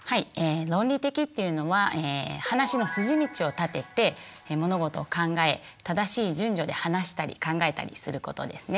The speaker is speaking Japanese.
論理的っていうのは話の筋道を立てて物事を考え正しい順序で話したり考えたりすることですね。